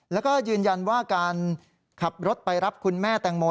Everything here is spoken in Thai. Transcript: แล้วก็ยืนยันว่าการขับรถไปรับคุณแม่แตงโม